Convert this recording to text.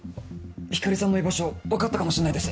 光莉さんの居場所分かったかもしれないです。